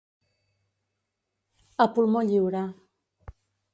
A pulmó lliure.